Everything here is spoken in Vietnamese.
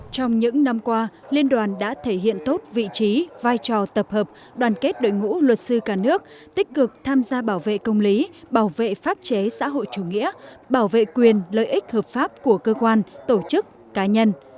trong những năm qua liên đoàn đã thể hiện tốt vị trí vai trò tập hợp đoàn kết đội ngũ luật sư cả nước tích cực tham gia bảo vệ công lý bảo vệ pháp chế xã hội chủ nghĩa bảo vệ quyền lợi ích hợp pháp của cơ quan tổ chức cá nhân